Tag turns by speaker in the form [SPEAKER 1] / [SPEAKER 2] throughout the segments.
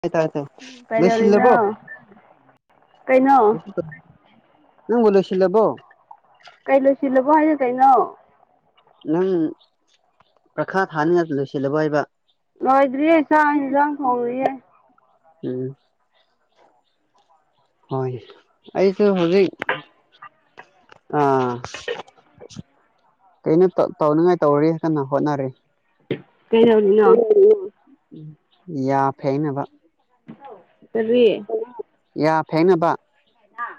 [SPEAKER 1] ꯇ ꯇꯥꯏ ꯇꯥꯏ ꯂꯣꯏꯁꯤꯜꯂꯕꯣ
[SPEAKER 2] ꯀꯩꯗꯧꯔꯤꯅꯣ ꯀꯩꯅꯣ
[SPEAKER 1] ꯅꯪꯕꯨ ꯂꯣꯏꯁꯤꯜꯂꯥꯕꯣ
[SPEAKER 2] ꯀꯩ ꯂꯣꯏꯁꯤꯜꯂꯕꯣ ꯍꯥꯏꯅ ꯀꯩꯅꯣ
[SPEAKER 1] ꯅꯪ ꯄ꯭ꯔꯈꯥ ꯊꯥꯅꯤ ꯍꯥꯏꯕꯗꯣ ꯂꯣꯏꯁꯤꯜꯂꯕꯣ ꯍꯥꯏꯕ
[SPEAKER 2] ꯂꯣꯏꯗ꯭ꯔꯤꯌꯦ ꯆꯥꯛ ꯏꯟꯁꯥꯡ ꯊꯣꯡꯉꯤꯌꯦ
[SPEAKER 1] ꯎꯝ ꯍꯣꯏ ꯑꯩꯁꯨ ꯍꯧꯖꯤꯛ ꯑꯥ ꯀꯩꯅꯣ ꯇꯧꯅꯤꯉꯥꯏ ꯇꯧꯔꯤ ꯀꯟꯅ ꯍꯣꯠꯅꯔꯤ
[SPEAKER 2] ꯀꯩꯗꯧꯔꯤꯅꯣ
[SPEAKER 1] ꯌꯥ ꯐꯦꯅꯕ
[SPEAKER 2] ꯀꯔꯤ
[SPEAKER 1] ꯌꯥ ꯐꯦꯡꯅꯕ
[SPEAKER 2] ꯑ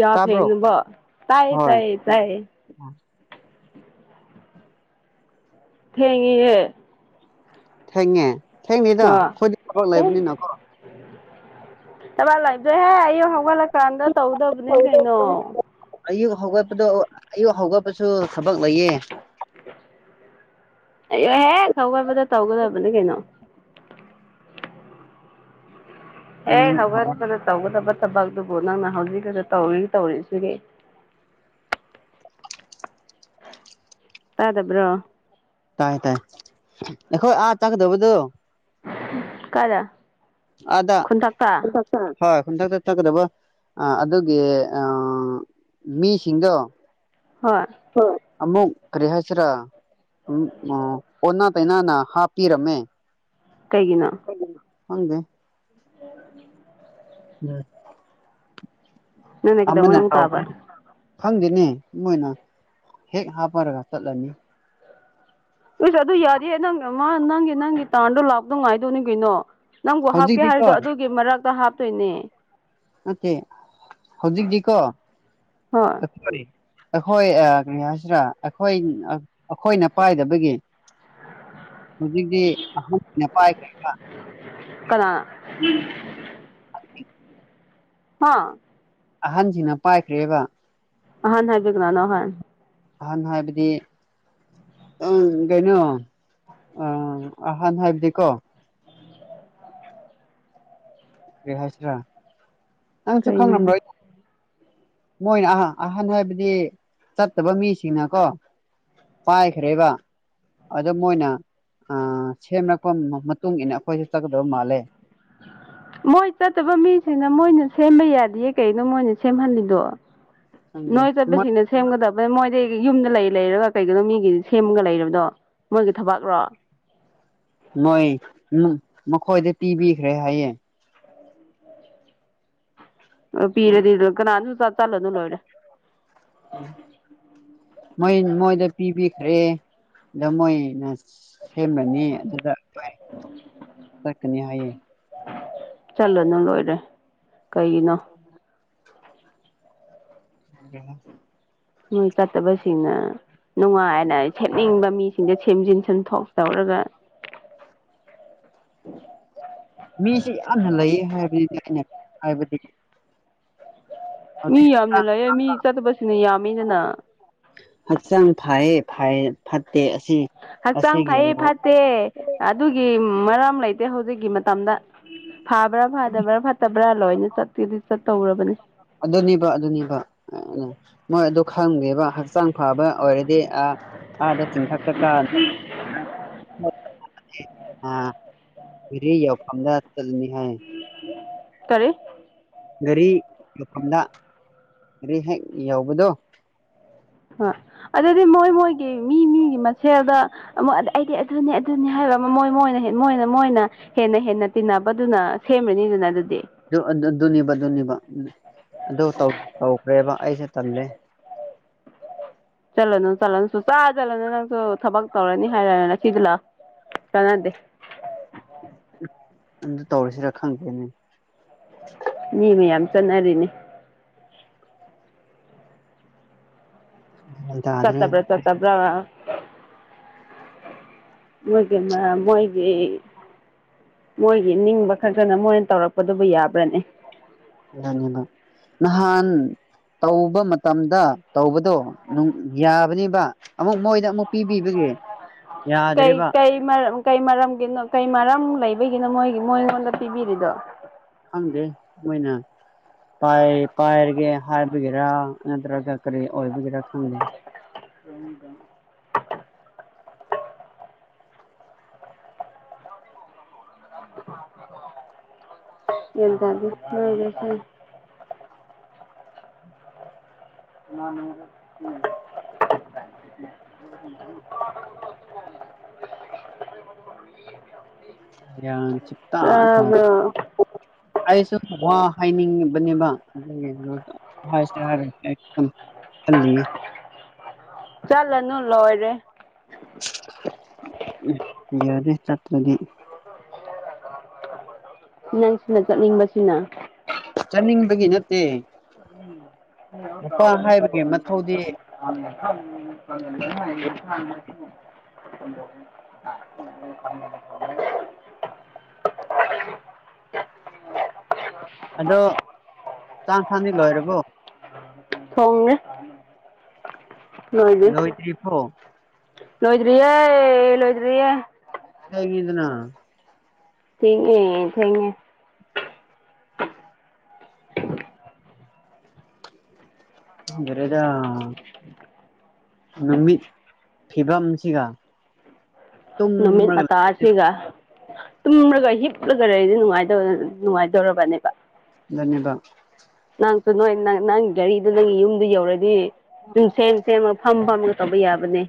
[SPEAKER 2] ꯌꯥ
[SPEAKER 1] ꯇꯥꯕ꯭ꯔꯣ
[SPEAKER 2] ꯐꯦꯟꯕ ꯇꯥꯏ
[SPEAKER 1] ꯍꯣꯏ
[SPEAKER 2] ꯇꯥꯏ ꯇꯥꯏ ꯊꯦꯡꯉꯌꯦ
[SPEAKER 1] ꯊꯦꯡꯉꯦ ꯊꯦꯡꯅꯤꯗ
[SPEAKER 2] ꯑꯥ
[SPEAKER 1] ꯑꯩꯈꯣꯏꯗꯤ ꯊꯕꯛ ꯂꯩꯕꯅꯤꯅꯀꯣ
[SPEAKER 2] ꯊꯥꯕꯥꯛ ꯂꯩꯇꯔ꯭ꯦ ꯍꯦ ꯑꯩꯒꯤꯗꯤ ꯑꯩ ꯍꯧꯒꯠꯂꯀꯥꯟꯗ ꯇꯧꯗꯧꯅꯤ ꯀꯩꯅꯣ
[SPEAKER 1] ꯁꯨ ꯊꯕꯛ ꯂꯩꯌꯦ
[SPEAKER 2] ꯑꯩꯌꯨꯛꯍꯦꯛ ꯍꯧꯒꯠꯄꯗ ꯇꯧꯒꯗꯧꯕꯅꯦ ꯀꯩꯅꯣ ꯑꯦ
[SPEAKER 1] ꯑꯌꯨꯛ ꯍꯧꯒꯠ
[SPEAKER 2] ꯍꯧꯒꯠꯄꯗ ꯇꯧꯒꯗꯕ ꯊꯕꯛꯇꯨꯕꯨ ꯅꯪꯅ ꯍꯧꯖꯤꯛꯀꯗ ꯇꯧꯔꯤ ꯇꯧꯔꯤꯁꯤꯒꯤ ꯇꯥꯗꯕ꯭ꯔꯣ
[SPEAKER 1] ꯇꯥꯏ ꯇꯥꯏ ꯑꯩꯈꯣꯏ ꯑꯥ ꯆꯥꯛꯀꯗꯧꯕꯗꯨꯣ
[SPEAKER 2] ꯀꯂ
[SPEAKER 1] ꯑꯗ ꯍꯣꯏ ꯈꯨꯟꯇꯛꯇ ꯆꯠꯀꯗꯕ ꯑꯗꯨꯒꯤ ꯃꯤꯁꯤꯡꯗꯣ
[SPEAKER 2] ꯍꯣꯏ
[SPEAKER 1] ꯑꯃꯛꯔꯤꯍꯁꯤ꯭ꯔ ꯑꯣ ꯇꯅꯥꯅ ꯍꯥꯞꯄꯤꯔꯝꯃꯦ
[SPEAKER 2] ꯀꯩꯒꯤꯅ
[SPEAKER 1] ꯈꯪꯗꯣ
[SPEAKER 2] ꯑꯣ
[SPEAKER 1] ꯎ
[SPEAKER 2] ꯅꯪꯅ ꯀꯩꯗꯧꯉꯩ
[SPEAKER 1] ꯑꯃꯅꯦ
[SPEAKER 2] ꯑꯃꯨꯛ ꯇꯥꯕ
[SPEAKER 1] ꯈꯪꯗꯦꯅꯦ ꯃꯣꯏꯅ ꯍꯦꯛ ꯍꯥꯞꯄꯔꯒ ꯆꯠꯂꯅꯤ
[SPEAKER 2] ꯑꯩꯁ ꯑꯗꯨ ꯌꯥꯔꯤꯌꯦꯦ ꯅꯪ ꯃꯥ ꯅꯪꯒꯤ ꯅꯪꯒꯤ ꯇꯥꯟꯗꯣ ꯂꯥꯛꯇꯣ ꯉꯥꯏꯗꯧꯅꯤ ꯀꯩꯅꯣ ꯅꯪꯕꯨ ꯍꯥꯞꯀꯦ
[SPEAKER 1] ꯍꯧꯖꯤꯛꯇꯤꯀꯣ
[SPEAKER 2] ꯍꯥꯏꯗꯣ ꯑꯗꯨꯒꯤ ꯃꯔꯛꯇ ꯍꯥꯞꯇꯣꯏꯅꯦ
[SPEAKER 1] ꯃꯆꯦ ꯍꯧꯖꯤꯛꯇꯤꯀꯣꯈ
[SPEAKER 2] ꯍꯣꯏ
[SPEAKER 1] ꯑꯩꯈꯣꯏ ꯭ꯔ ꯑꯩꯈꯣꯏ ꯑꯩꯈꯣꯏꯅ ꯄꯥꯏꯗꯕꯒꯤ ꯍꯧꯖꯤꯛꯇꯤ ꯑꯍꯥꯟꯕ ꯄꯥꯏꯈ꯭ꯔꯦꯕ
[SPEAKER 2] ꯍ
[SPEAKER 1] [inaudible]
[SPEAKER 2] ꯍꯥꯥ
[SPEAKER 1] ꯑꯍꯟꯁꯤꯡꯅ ꯄꯥꯏꯈ꯭ꯔꯦꯕ
[SPEAKER 2] ꯍꯍꯥꯟ ꯍꯥꯏꯕꯤꯒꯅꯥꯅ ꯍꯥꯏ
[SPEAKER 1] ꯑꯍꯥꯟ ꯍꯥꯏꯕꯗꯤ ꯎ ꯀꯩꯅꯣ ꯑ ꯑꯍꯥꯟ ꯍꯥꯏꯕꯗꯤꯀꯣ ꯦ ꯍꯥꯏꯁꯔꯥ ꯅꯪꯁꯨ
[SPEAKER 2] ꯀꯩꯅꯣ
[SPEAKER 1] ꯈꯪꯂꯝ꯭ꯔꯣ ꯃꯣꯏꯅ ꯑ ꯑꯍꯟ ꯍꯥꯏꯕꯗꯤ ꯆꯠꯇꯕ ꯃꯤꯁꯤꯡꯅꯀꯣ ꯄꯥꯏꯈ꯭ꯔꯦꯕ ꯑꯗꯨ ꯃꯣꯏꯅ ꯑ ꯁꯦꯝꯂꯛꯄ ꯃꯇꯨꯡ ꯏ ꯃꯇꯨꯡꯏꯟꯅ ꯑꯩꯈꯣꯏꯁꯨ ꯆꯠꯀꯗꯕ ꯃꯥꯜꯂꯦ
[SPEAKER 2] ꯃꯣꯏ ꯆꯠꯇꯕ ꯃꯤꯁꯤꯅ ꯃꯣꯏꯅ ꯁꯦꯝꯕ ꯌꯥꯗꯌꯦ ꯀꯩꯅꯣ ꯃꯣꯏꯅ ꯁꯦꯝꯍꯜꯂꯤꯗꯣ
[SPEAKER 1] ꯈꯪꯗꯦ
[SPEAKER 2] ꯅꯣꯏ ꯆ ꯦꯁꯤꯅꯦ ꯁꯦꯝꯝꯒꯗꯕ ꯑ ꯃꯣꯏꯗꯤ ꯌꯨꯝꯗ ꯂꯩ ꯂꯩꯔꯒ ꯀꯩꯒꯤꯅꯣ ꯃꯤꯒꯤꯗꯤ ꯁꯦꯝꯃꯒ ꯂꯩꯔꯕꯗꯣ ꯃꯣꯏꯒꯤ ꯊꯕꯥꯛꯔꯣ
[SPEAKER 1] ꯅꯣꯏ ꯃꯈꯣꯏꯗ ꯄꯤꯕꯤꯈ꯭ꯔꯦ ꯍꯥꯏꯌꯦꯦ
[SPEAKER 2] ꯑꯣ ꯄꯤꯔꯦꯔ ꯀꯅꯥꯅ ꯊꯂꯅ ꯂꯔ
[SPEAKER 1] ꯣꯏ ꯃꯣꯏꯗ ꯄꯤꯕꯤꯈ꯭ꯔꯦ ꯗ ꯃꯣꯏꯅ ꯁꯦꯝꯃꯅꯤ ꯑꯗꯨꯗꯣꯏ ꯆꯀꯅꯤ ꯍꯥꯏꯌꯦꯌꯦ
[SPEAKER 2] ꯆꯠꯂꯅꯨ ꯂꯣꯏꯔꯦ ꯀꯩꯒꯤꯅꯣ
[SPEAKER 1] ꯀꯣ
[SPEAKER 2] ꯅꯣꯏ ꯆꯠꯇꯕꯁꯤꯅ ꯅꯨꯡꯉꯥꯏꯅ ꯁ ꯁꯦꯝꯠꯅꯤꯡꯕ ꯃꯤꯁꯤꯡꯁꯦ ꯁꯦꯝꯖꯤꯟ ꯁꯦꯝꯊꯣꯛ ꯇꯧꯔꯒ
[SPEAKER 1] [inaudible]
[SPEAKER 2] ꯎꯝ
[SPEAKER 1] ꯃꯤꯁ ꯏꯍꯥꯟ ꯍꯜ ꯂꯩꯌꯦ ꯍꯥꯏꯕꯅꯤꯅ ꯑꯩꯅ ꯍꯥꯏꯕꯗꯤ
[SPEAKER 2] ꯃꯤ ꯌꯥꯝꯅ ꯂꯩꯌꯦ ꯃꯤ ꯆꯠꯇꯕꯁꯤꯡꯅ ꯌꯥꯝꯃꯤꯗꯅ
[SPEAKER 1] ꯍꯛꯆꯪ ꯐꯥꯏꯞ ꯐ ꯐ
[SPEAKER 2] ꯍꯛꯆꯥꯡ ꯐꯩ ꯐꯠꯇꯦ ꯑꯗꯨꯒꯤ ꯃꯔꯝ ꯂꯩꯇꯦ ꯍꯧꯖꯤꯛ ꯒꯤ ꯃꯇꯝꯗ ꯐꯥꯕ꯭ꯔꯥ ꯐꯥꯗꯕ꯭ꯔꯥ ꯐꯠꯇꯕ꯭ꯔꯥ ꯂꯣꯏꯅ ꯆꯠꯇꯦꯗꯤ ꯆꯠꯇꯧꯔꯕꯅꯤ
[SPEAKER 1] ꯑꯗꯨꯅꯦꯕ ꯑꯗꯨꯅꯦꯕ ꯃꯣꯏ ꯑꯗꯨ ꯈꯪꯗꯦꯕ ꯍꯛꯆꯥꯡ ꯐꯕ ꯑꯣꯏꯔꯗꯤ ꯑ ꯑꯥꯗ ꯆꯤꯡꯊꯛꯇ ꯀ ꯑ ꯌꯎꯐꯝꯗ ꯆꯅꯤ ꯍꯥꯏ
[SPEAKER 2] ꯇꯔꯤꯦ
[SPEAKER 1] ꯒꯥꯔꯤ ꯃꯐꯝꯗ ꯒꯥꯔꯤ ꯍꯦꯛ ꯌꯎꯧꯕꯗꯣ
[SPEAKER 2] ꯑ ꯑꯗꯨꯗꯤ ꯃꯣꯏ ꯃꯣꯏꯒꯤ ꯃꯤ ꯃꯤꯒꯤ ꯃꯁꯦꯜꯗ ꯑꯩꯗꯤ ꯑꯗꯨꯅꯦ ꯑꯗꯨꯅꯦ ꯍꯥꯏꯕ ꯃꯣꯏ ꯃꯣꯏꯅ ꯃꯣꯏꯅ ꯃꯣꯏꯅ ꯍꯦꯟꯅ ꯍꯦꯟꯅ ꯇꯤꯟꯅꯕꯗꯨꯅ ꯁꯦꯝꯕꯅꯤꯗꯨꯅ ꯑꯗꯨꯗꯤ
[SPEAKER 1] ꯅꯤꯕ ꯅꯤꯕ ꯑꯗꯨ ꯇꯧꯈ꯭ꯔꯦꯕ ꯑꯩꯁꯨꯦ ꯇꯝꯂꯦ
[SPEAKER 2] ꯆꯂ ꯅ ꯆꯂꯅ ꯁ ꯆꯥ ꯆꯂꯅ ꯅ ꯅꯪꯁꯨ ꯊꯕꯛ ꯇꯧꯔꯅꯤ ꯍꯥꯏꯔꯅ ꯁꯤꯁꯤ ꯂꯥꯛ ꯆꯥꯟꯅꯗꯦ
[SPEAKER 1] ꯑꯗꯨꯝ ꯇꯧꯔꯤꯁꯤꯔ ꯈꯪꯗꯦꯅꯦ
[SPEAKER 2] ꯆꯠꯅꯔꯤꯅꯦ
[SPEAKER 1] ꯒ꯭ꯌꯥꯟ ꯇꯥꯗ꯭ꯔꯦ
[SPEAKER 2] ꯆꯠꯇꯕ꯭ꯔꯥ ꯆꯠꯇꯕ꯭ꯔ ꯃꯣꯏꯒꯤ ꯃꯣꯏꯒꯤ ꯃꯣꯏꯒꯤ ꯅꯤꯡꯕ ꯈꯛꯇꯅ ꯃꯣꯏꯅ ꯇꯧꯔꯛꯄꯗꯨꯕꯨ ꯌꯥꯕ꯭ꯔꯅꯦ
[SPEAKER 1] ꯕ ꯅꯍꯥꯟ ꯇꯧꯕ ꯃꯇꯝꯗ ꯇꯧꯕꯗꯣ ꯌꯥꯕꯅꯦꯕ ꯑꯃꯨꯛ ꯃꯣꯏꯗ ꯑꯃꯨꯛ ꯄꯤꯕꯤꯕꯒꯤꯦ
[SPEAKER 2] ꯩ ꯀꯩ ꯃꯔꯝ ꯀꯩ ꯃꯔꯝꯒꯤꯅꯣ ꯀꯩ ꯃꯔꯝ ꯂꯩꯕ ꯑꯩꯒꯤꯅ ꯃꯣꯏꯒꯤ ꯃꯣꯏꯉꯣꯟꯗ ꯄꯤꯕꯤꯔꯤꯗꯣ
[SPEAKER 1] ꯍꯪꯗꯦ ꯃꯣꯏꯅ ꯄꯥꯏ ꯄꯥꯏꯔꯒꯦ ꯍꯥꯏꯕꯒꯤꯦꯔꯥ ꯅꯠꯇ꯭ꯔꯒ ꯀꯔꯤ ꯑꯣꯏꯕꯒꯤꯦꯔ ꯐꯪꯗ
[SPEAKER 2] ꯌꯦ ꯑꯗꯨ ꯃꯥ ꯎꯝ [unintelligible]
[SPEAKER 1] [unintelligible] ꯌꯥ ꯆꯨꯞ ꯊꯔꯦ
[SPEAKER 2] ꯇꯥꯕ꯭ꯔꯣ
[SPEAKER 1] ꯑꯩꯁꯨ ꯍꯥꯏꯅꯤꯡꯉꯤꯕꯅꯦꯕ ꯑꯗꯨꯒꯤ ꯍꯥꯏꯁꯦ ꯍꯥꯏꯔ ꯑꯗꯨ ꯈꯜꯂꯤ
[SPEAKER 2] ꯆꯠꯂꯅꯨ ꯂꯣꯏꯔꯦ
[SPEAKER 1] ꯌꯥꯔꯦ ꯆꯠꯠꯇ꯭ꯔꯗꯤ
[SPEAKER 2] ꯅꯪ ꯁꯤꯅ ꯆꯠꯅꯤꯡꯕꯁꯤꯅ
[SPEAKER 1] ꯆꯠꯅꯤꯡꯕꯒꯤ ꯅꯠꯇꯦ ꯅꯨꯄꯥ ꯍꯥꯏꯕꯒꯤ ꯃꯊꯧꯗꯤ
[SPEAKER 2] ꯎꯝ ꯇ ꯎ
[SPEAKER 1] [inaudible] ꯑꯗꯣ ꯆꯥꯡ ꯊꯥꯅꯤ ꯂꯣꯏꯔꯕꯣ
[SPEAKER 2] ꯊꯣꯡꯦ
[SPEAKER 1] ꯂꯣꯏ ꯇ ꯏꯄꯣ
[SPEAKER 2] ꯂꯣꯏꯖꯔꯤꯦ ꯂꯣꯏꯖꯔꯤꯌꯦ
[SPEAKER 1] ꯒꯗꯅ
[SPEAKER 2] ꯊꯦꯡꯉꯦ ꯊꯦꯡꯉꯦ
[SPEAKER 1] ꯔꯦꯗ ꯅꯨꯃꯤꯠ ꯐꯤꯕꯝꯁꯤꯒ
[SPEAKER 2] ꯅꯨꯃꯤꯠ ꯃ
[SPEAKER 1] ꯇꯨꯝꯔꯒ
[SPEAKER 2] ꯇꯥꯁꯤꯒ ꯇꯨꯝꯂꯒ ꯍꯤꯞꯂꯒ ꯂꯩꯗꯤꯅꯨꯡ ꯅꯨꯡꯉꯥꯏꯗꯧꯔꯕꯅꯦꯕ
[SPEAKER 1] ꯟꯕ
[SPEAKER 2] ꯅꯪꯁꯨ ꯅꯣꯏ ꯅꯪ ꯅꯪꯒꯤ ꯒꯥꯔꯤꯗꯣ ꯅꯪꯒꯤ ꯌꯨꯝꯗ ꯌꯧꯔꯗꯤ ꯁꯨꯝ ꯁꯦꯝ ꯁꯦꯝꯃ ꯐꯝ ꯐꯝꯃꯒ ꯇꯧꯕ ꯌꯥꯕꯅꯦ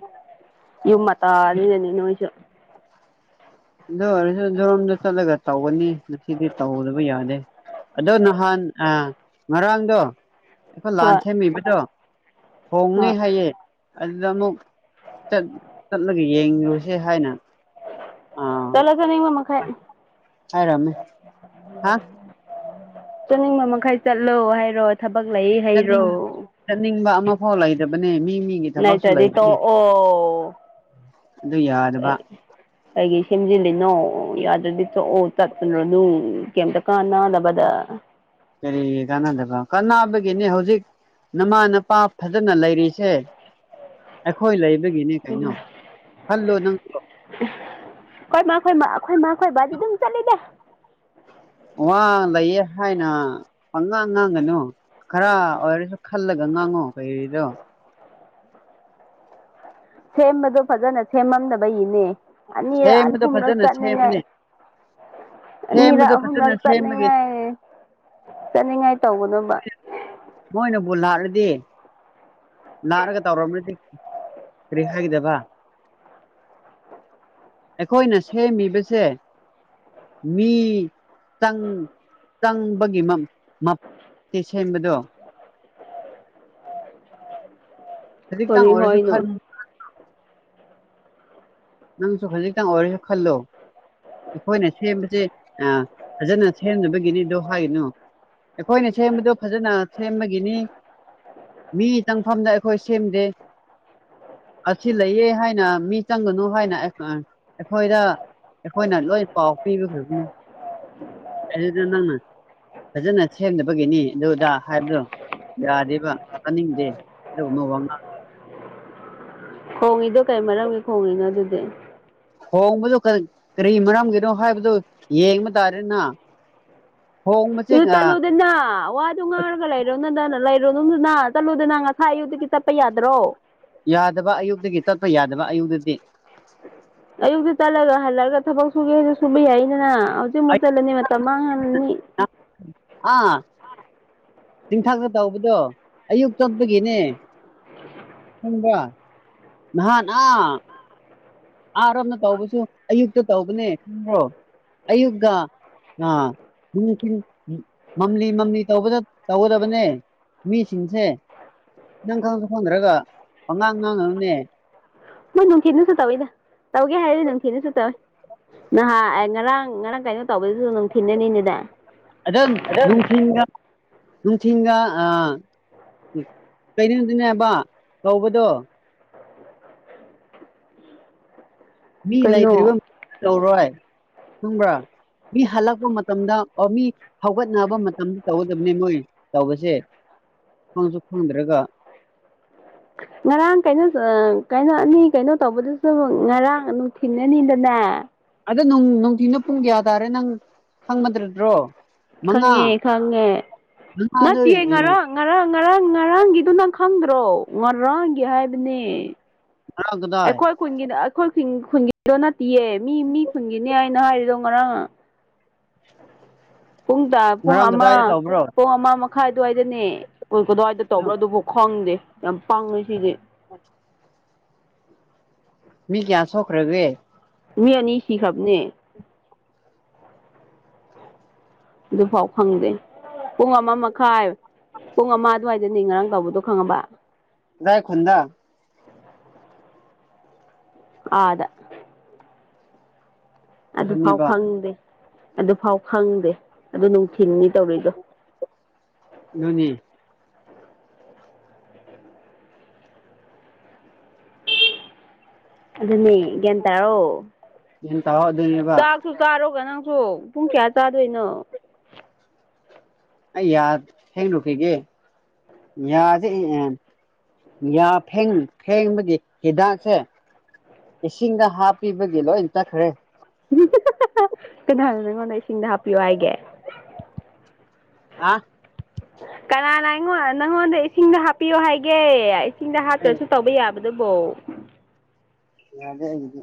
[SPEAKER 2] ꯌꯨꯝ ꯃꯇꯅꯤꯗꯅꯤ ꯅꯣꯏꯁꯨ
[SPEAKER 1] ꯑꯗꯨ ꯑꯣꯏꯔꯁꯨꯣꯔꯣꯝꯗ ꯆꯠꯂꯒ ꯇꯧꯒꯅꯤ ꯉꯁꯤꯗꯤ ꯇꯧꯗꯕ ꯌꯥꯗꯦ ꯑꯗꯣ ꯅꯍꯥꯟ ꯑ ꯉꯔꯥꯡꯗꯣ ꯑꯩꯈꯣꯏ ꯂꯥꯟ
[SPEAKER 2] ꯍꯣꯏ
[SPEAKER 1] ꯁꯦꯝꯃꯤꯕꯗꯣ ꯍꯣꯡꯅꯤ
[SPEAKER 2] ꯍꯣꯏ
[SPEAKER 1] ꯍꯥꯏꯌꯦꯦ ꯑꯗꯨꯗ ꯑꯃꯨꯛ ꯆꯠꯂꯒ ꯌꯦꯡꯨꯁꯦ ꯍꯥꯏꯅ ꯑ
[SPEAKER 2] ꯆꯂ ꯆꯅꯤ ꯃꯃ ꯈ
[SPEAKER 1] ꯍꯥꯏꯔꯝꯃꯦ ꯍꯥ [unintelligible] [inaudible]
[SPEAKER 2] ꯆꯠꯅꯤꯡꯕ ꯃꯈꯥꯏ ꯆꯠꯂꯣ ꯍꯥꯏꯔꯣ ꯊꯕꯛ ꯂꯩ ꯍꯥꯏꯔꯣ
[SPEAKER 1] ꯆꯠꯅꯤꯡ ꯆꯠꯅꯤꯡꯕ ꯑꯃꯐꯥꯎ ꯂꯩꯇꯕꯅꯦ ꯃꯤ ꯃꯤꯒꯤ
[SPEAKER 2] ꯅ
[SPEAKER 1] ꯊꯕꯛꯁꯨ
[SPEAKER 2] ꯇꯗꯤ ꯇꯣ
[SPEAKER 1] ꯂꯩꯕꯅꯦ
[SPEAKER 2] ꯑꯣ
[SPEAKER 1] ꯑꯗꯨ ꯌꯥꯗꯕ
[SPEAKER 2] ꯑꯩꯒꯤ ꯊ ꯁꯦꯝꯖꯤꯜꯂꯤꯅꯣ ꯌꯥꯗ꯭ꯔꯗꯤ ꯆꯠꯑꯣ ꯆꯠꯇꯅꯣ ꯅꯅꯨꯡ ꯀꯩꯝꯇ ꯀꯥ ꯅꯥꯗꯕꯗ
[SPEAKER 1] ꯀꯔꯤ ꯀꯥꯟꯗꯦꯕ ꯀꯅꯥ ꯍꯥꯕꯒꯤꯅꯦ ꯍꯧꯖꯤꯛ ꯅꯃꯥ ꯅꯄꯥ ꯐꯖꯅ ꯂꯩꯔꯤꯁꯦ ꯑꯩꯈꯣꯏ ꯂꯩ
[SPEAKER 2] ꯎ
[SPEAKER 1] ꯅꯪꯁꯨ
[SPEAKER 2] ꯑꯩꯏ ꯃꯥ ꯈꯣꯏ ꯃꯥ ꯑꯩꯈꯣꯏ ꯃꯥꯈꯣꯏ ꯕꯥꯗꯤ ꯑꯗꯨꯝ ꯆꯠꯂꯤꯅꯦꯦ
[SPEAKER 1] ꯋꯥ ꯂꯩꯌꯦ ꯍꯥꯏꯅ ꯄꯪꯉꯥꯡ ꯉꯥꯡꯒꯅꯨ ꯈꯔ ꯑꯣꯏꯔꯁꯨ ꯈꯜꯂꯒ ꯉꯥꯡꯉꯣ ꯀꯩꯔꯤꯗꯣ
[SPEAKER 2] ꯁꯦꯝꯕꯗꯣ ꯐꯖꯅ ꯁꯦꯝꯃꯝꯅꯕ ꯏꯅꯦ ꯑꯅꯤꯔꯅꯤ
[SPEAKER 1] ꯁꯦꯝꯕꯗꯣ
[SPEAKER 2] ꯍꯨꯅ
[SPEAKER 1] ꯐꯖꯅ
[SPEAKER 2] ꯆꯅꯉꯥꯏ
[SPEAKER 1] ꯁꯦꯝꯕꯅꯦ
[SPEAKER 2] ꯑꯅꯤꯔꯛ
[SPEAKER 1] ꯁꯦꯝꯕꯗꯣ
[SPEAKER 2] ꯑꯍꯨꯝꯂꯛ
[SPEAKER 1] ꯐꯖꯅ ꯁꯦꯝꯕꯒꯤ
[SPEAKER 2] ꯆꯠꯅꯤꯡꯉꯥꯏ ꯆꯠꯅꯤꯡꯉꯥꯏ ꯇꯧꯒꯗꯕ
[SPEAKER 1] ꯣꯂꯔꯗꯤ ꯅꯥꯔꯒ ꯇꯧꯔꯕꯅꯗꯤ ꯀꯔꯤ ꯍꯥꯏꯒꯗꯕ ꯑꯩꯈꯣꯏꯅ ꯁꯦꯝꯃꯤꯕꯁꯦ ꯃꯤ ꯇꯪ ꯇꯪꯕꯒꯤ ꯃ ꯁꯦꯝꯕꯗꯣ ꯍꯧꯖꯤꯛꯇꯪ
[SPEAKER 2] ꯀꯔꯤ
[SPEAKER 1] ꯑꯣꯏꯔꯁꯨ
[SPEAKER 2] ꯍꯥꯏꯅꯣ
[SPEAKER 1] ꯈꯔ ꯅꯪꯁꯨ ꯈꯖꯤꯛꯇꯪ ꯑꯣꯏꯁꯨ ꯈꯜꯂꯣ ꯑꯩꯈꯣꯏꯅ ꯁꯦꯝꯕꯁꯦ ꯐꯖꯅ ꯁꯦꯝꯅꯕꯒꯤꯅꯤ ꯑꯗꯨꯗꯣ ꯍꯥꯏꯅꯨ ꯑꯩꯈꯣꯏꯅ ꯁꯦꯝꯕꯗꯣ ꯐꯖꯅ ꯁꯦꯝꯕꯒꯤꯅꯤ ꯃꯤ ꯇꯪꯐꯝꯗ ꯑꯩꯈꯣꯏ ꯁꯦꯝꯗꯦ ꯑꯁꯤ ꯂꯩꯌꯦ ꯍꯥꯏꯅ ꯃꯤ ꯆꯪꯒꯅꯨ ꯥꯏꯅ ꯑꯩꯈꯣꯏꯗ ꯑꯩꯈꯣꯏꯅ ꯂꯣꯏ ꯄꯥꯎ ꯄꯤꯕꯤꯈ꯭ꯔꯕꯅꯤ ꯑꯗꯨꯗ ꯅꯪꯅ ꯐꯖꯅ ꯁꯦꯝꯗꯕꯒꯤꯅꯤ ꯑꯗꯨꯗ ꯍꯥꯏꯕꯗꯣ ꯌꯥꯗꯦꯕ ꯆꯥꯅꯤꯡꯗꯦ ꯑ ꯉ
[SPEAKER 2] ꯈꯣꯡꯉꯤꯗꯣ ꯀꯩ ꯃꯔꯝꯒꯤ ꯈꯣꯡꯉꯤꯅꯣ ꯑꯗꯨꯗꯤ
[SPEAKER 1] ꯍꯣꯡꯕꯗꯨ ꯀꯔꯤ ꯃꯔꯝꯒꯤꯅꯣ ꯍꯥꯏꯕꯗꯨ ꯌꯦꯡꯕ ꯇꯥꯔꯦꯅ ꯍꯣꯡꯕꯁꯦ
[SPEAKER 2] ꯑꯗꯨ
[SPEAKER 1] ꯑ
[SPEAKER 2] ꯇꯜꯂꯨꯗꯅ ꯋꯥ ꯑ ꯑꯗꯨ ꯉꯥꯒꯂꯥꯏꯔꯣꯗꯅ ꯔꯣ ꯅꯅꯨꯡꯗꯨꯅ ꯆꯠꯂꯨꯗ ꯅꯪ ꯉꯁꯥ ꯑꯌꯨꯗꯒꯤ ꯆꯠꯄ ꯌꯥꯗ꯭ꯔꯣ
[SPEAKER 1] ꯌꯥꯗꯕ ꯑꯌꯨꯛꯇꯒꯤ ꯇꯠꯄ ꯌꯥꯗꯕ ꯑꯌꯨꯛꯇꯗꯤ
[SPEAKER 2] ꯑꯌꯨꯛꯇ ꯆꯠꯂꯒ ꯍꯜꯂꯛꯒ ꯊꯕꯛ ꯁꯨꯒꯦ ꯍꯥꯏ ꯁꯨꯕ ꯌꯥꯏꯗꯅ ꯍꯧꯖꯤꯛ ꯑꯃꯨꯛ ꯆꯠꯂꯅꯤ ꯁꯃꯉꯅꯤ [unintelligible] [inaudible]
[SPEAKER 1] ꯑꯥ ꯆꯤꯡꯊꯥꯛꯇ ꯇꯧꯕꯗꯣ ꯑꯌꯨꯛ ꯆꯠꯄꯒꯤꯅꯦ ꯍꯕ꯭ꯔ [unintelligible] [inaudible] ꯅꯍꯥꯟ ꯑꯥꯔꯝꯅ ꯇꯧꯕꯁꯨ ꯑꯌꯨꯛꯇ ꯇꯧꯕꯅꯦ ꯈꯪ꯭ꯔꯣ ꯑꯌꯨꯛꯀ ꯑꯥꯁꯤꯡ ꯃꯝꯂꯤ ꯃꯝꯂꯤ ꯇꯧꯒꯗꯕꯅꯦ ꯃꯤꯁꯤꯡꯁꯦ ꯅꯪ ꯈꯪꯁꯨ ꯐꯪꯈ꯭ꯔꯒ ꯑꯉꯥꯡ ꯉꯥꯡꯉꯅꯅꯦ
[SPEAKER 2] ꯅꯣꯏ ꯅꯨꯡꯊꯤꯅꯁꯨ ꯇꯧꯋꯤꯗ ꯇꯧꯒꯦ ꯍꯥꯏꯔꯗꯤ ꯅꯨꯡꯊꯤꯅꯁꯨ ꯇꯧꯋꯤ ꯅꯍꯥꯟ ꯉꯔꯥꯡ ꯉꯔꯥꯡ ꯀꯥꯏꯅꯣ ꯇꯧꯕꯗꯨꯁꯨ ꯑꯗꯨꯝꯊꯤꯟꯅꯅꯤꯅꯦꯗ
[SPEAKER 1] ꯑꯗꯝ ꯅꯨꯡꯊꯤꯟꯒ ꯅꯨꯡꯊꯤꯟꯒ ꯑ ꯎ ꯀꯩꯅꯣꯗꯨꯅꯦꯕ ꯀꯧꯕꯗꯣ ꯃꯤ ꯂꯩꯇ꯭ꯔꯤꯕ
[SPEAKER 2] ꯀꯩꯅꯣ
[SPEAKER 1] ꯇꯧꯔꯣꯏ ꯈꯪꯕ꯭ꯔꯥ ꯃꯤ ꯍꯜꯂꯛꯄ ꯃꯇꯝꯗ ꯑꯣ ꯃꯤ ꯍꯧꯒꯠꯅꯕ ꯃꯇꯝꯗ ꯇꯧꯒꯗꯕꯅꯤ ꯃꯣꯏ ꯇꯧꯕꯁꯦ ꯈꯪꯁꯨ ꯈꯪꯗ꯭ꯔꯒ
[SPEAKER 2] ꯉꯔꯥꯡ ꯀꯩꯅꯣꯃ ꯇ
[SPEAKER 1] ꯗꯣ ꯅꯨꯡꯊꯤꯅ ꯄꯨꯡ ꯌꯥ ꯇꯥꯔꯦ ꯅꯪ ꯍꯪꯃꯗ꯭ꯔꯗ꯭ꯔꯣ
[SPEAKER 2] ꯈꯪꯉꯦ ꯈꯪꯉꯦ
[SPEAKER 1] ꯃꯉꯥꯗꯣ
[SPEAKER 2] ꯅꯠꯇꯦ ꯉꯔꯥꯡ ꯉꯔꯥꯡ ꯉꯔꯥꯡ ꯉꯔꯥꯡꯒꯤꯗꯨ ꯅꯪ ꯈꯪꯗ꯭ꯔꯣ ꯉꯥꯔ ꯥꯔꯥꯡꯒꯤ ꯍꯥꯏꯕꯅꯦ
[SPEAKER 1] ꯉꯔꯥꯡ ꯀꯗꯥꯏ
[SPEAKER 2] ꯑꯩꯈꯣꯏ ꯈꯨꯟꯒꯤꯗ ꯑꯩꯈꯣꯏ ꯈꯨꯟ ꯈꯨꯟꯒꯤꯗꯣ ꯅꯠꯇꯤꯌꯦ ꯃꯤ ꯃꯤ ꯈꯨꯟꯒꯤꯅꯦ ꯍꯥꯏꯅ ꯍꯥꯏꯔꯤꯗꯣ ꯉꯔꯥꯡ ꯄꯨꯡ ꯇ ꯄꯨꯡ
[SPEAKER 1] ꯉꯔꯥꯡ
[SPEAKER 2] ꯑꯃ
[SPEAKER 1] ꯀꯗꯥꯏꯗ ꯇꯧꯕ꯭ꯔꯣ
[SPEAKER 2] ꯄꯨꯡ ꯑꯃ ꯃꯈꯥꯏ ꯑꯗꯨꯋꯥꯏꯗꯅꯦ ꯀꯨꯟ ꯀꯨꯗꯥꯋꯥꯏꯗ ꯇꯧꯕ꯭ꯔꯥ ꯑꯗꯨꯕꯨ ꯈꯪꯗꯦ ꯌꯥꯝ ꯄꯥꯡꯉꯦꯁꯤꯗꯤ
[SPEAKER 1] ꯃꯤ ꯀꯌꯥ ꯁꯣꯈ꯭ꯔꯒꯦ
[SPEAKER 2] ꯃꯤ ꯑꯅꯤ ꯁꯤ ꯈꯔꯕꯅꯦ ꯑꯗꯨꯐꯥꯎ ꯈꯪꯗꯦ ꯄꯨꯡ ꯑꯃ ꯃꯈꯥꯏ ꯄꯨꯡ ꯑꯃ ꯑꯗꯨꯋꯥꯏꯗꯅꯤ ꯉꯔꯥꯡ ꯇꯧꯕꯗꯣ ꯈꯪꯉꯕ
[SPEAKER 1] ꯑꯗꯥꯏ ꯈꯨꯨꯟꯗꯥ
[SPEAKER 2] ꯑꯥꯗ ꯑꯗꯨꯐꯥꯎ
[SPEAKER 1] ꯑꯗꯨꯅꯦꯕ
[SPEAKER 2] ꯈꯪꯗꯦ ꯑꯗꯨꯐꯥꯎ ꯈꯪꯗꯦ ꯑꯗꯨ ꯅꯨꯡꯊꯤꯟꯅꯤ ꯇꯧꯔꯤꯗꯣ
[SPEAKER 1] ꯑꯗꯨꯅꯤ
[SPEAKER 2] ꯑꯗꯨꯅꯦ ꯒ꯭ꯌꯥꯟ ꯇꯥꯔꯣ
[SPEAKER 1] ꯒ꯭ꯌꯥꯟ ꯇꯥꯎ ꯑꯗꯨꯅꯦꯕ
[SPEAKER 2] ꯆꯥꯛꯁꯨ ꯆꯥꯔꯣꯒ ꯅꯪ ꯄꯨꯡ ꯀꯌꯥ ꯆꯥꯗꯣꯏꯅꯣ
[SPEAKER 1] ꯑꯩ ꯌꯥ ꯁꯦꯡꯂꯨꯈꯤꯒꯦ ꯌꯥꯁꯦ ꯌꯥ ꯐꯦꯡ ꯐꯦꯡꯕꯒꯤ ꯍꯤꯗꯥꯛꯁꯦ ꯏꯁꯤꯡꯗꯥ ꯍꯥꯞꯄꯤꯕꯒꯤꯂꯣꯏ ꯇꯠꯈ꯭ꯔꯦ
[SPEAKER 2] ꯅꯣꯏ ꯏꯁꯤꯡꯗ ꯍꯥꯞꯄꯤꯌꯣ ꯍꯥꯏꯒꯦ
[SPEAKER 1] ꯑꯥ
[SPEAKER 2] ꯀꯅꯥꯅ ꯑꯩꯉꯣꯟ ꯅꯪꯉꯣꯟꯗ ꯏꯁꯤꯡꯗ ꯍꯥꯞꯄꯤꯌꯣ ꯍꯥꯏꯒꯦ ꯏꯁꯤꯡꯗ ꯍꯥꯞꯇ꯭ꯔꯁꯨ ꯇꯧꯕ ꯌꯥꯕ ꯗꯨꯕꯣ
[SPEAKER 1] ꯌꯥꯗꯦ ꯑꯩꯒꯤꯗꯤ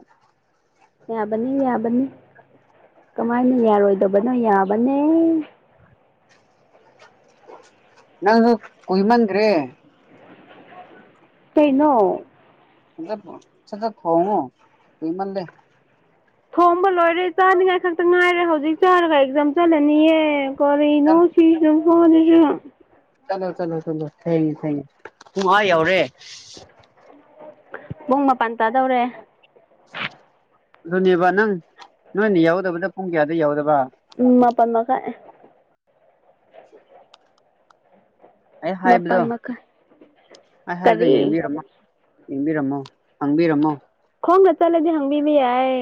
[SPEAKER 2] ꯌꯥꯕꯅꯤ ꯌꯥꯕꯅꯤ ꯀꯃꯥꯏꯅ ꯌꯥꯔꯣꯏꯗꯕꯅꯣ ꯌꯥꯕꯅꯦ
[SPEAKER 1] ꯅꯪ ꯀꯣꯏꯃꯟ꯭ꯈꯔꯦ
[SPEAKER 2] ꯀꯩꯅꯣ
[SPEAKER 1] ꯁꯠ ꯁꯠ ꯊꯣꯡꯉꯣ ꯀꯨꯏꯃꯜꯂꯦ
[SPEAKER 2] ꯊꯣꯝꯕ ꯂꯣꯏꯔꯦ ꯆꯥꯅꯤꯡꯉꯥꯏ ꯈꯛꯇ ꯉꯥꯏꯔꯦ ꯍꯧꯖꯤꯛ ꯆꯥꯔ ꯂꯩ ꯔꯝ ꯆꯠꯂꯅꯤꯌꯦ ꯀꯔꯤꯅꯣ
[SPEAKER 1] ꯆꯠꯂꯣ
[SPEAKER 2] ꯐꯤꯁꯨ ꯃꯣꯠꯂꯤꯁꯤꯅꯥ
[SPEAKER 1] ꯆꯂꯣ ꯆꯂꯣ ꯆꯂꯣ ꯊꯦꯡꯉꯦ ꯊꯦꯡꯉꯦ ꯄꯨꯡ ꯑꯥ ꯌꯧꯔꯦ
[SPEAKER 2] ꯄꯨꯡ ꯃꯄꯟ ꯇꯥꯗꯧꯔꯦ
[SPEAKER 1] ꯑꯗꯨꯅꯦꯕ ꯅꯪ ꯅꯣꯏꯅ ꯌꯥꯎꯗꯕꯗ ꯄꯨꯡ ꯀꯌꯥꯗ ꯌꯥꯎꯗꯕ
[SPEAKER 2] ꯄꯨꯡ ꯃꯄꯟ ꯃꯈꯥꯏ
[SPEAKER 1] ꯑꯩ
[SPEAKER 2] ꯃꯥꯄꯜ
[SPEAKER 1] ꯍꯥꯏꯕꯗꯣ
[SPEAKER 2] ꯃꯈꯥꯏ
[SPEAKER 1] ꯑꯩ ꯍꯥꯏꯕꯗꯣ
[SPEAKER 2] ꯀꯔꯤ
[SPEAKER 1] ꯌꯦꯡꯕꯤꯔꯝꯃꯣ ꯌꯦꯡꯕꯤꯔꯝꯃꯣ ꯍꯪꯕꯤꯔꯝꯃꯣ
[SPEAKER 2] ꯈꯣꯡꯅ ꯆꯠꯂꯗꯤ ꯍꯪꯕꯤꯕ ꯌꯥꯏ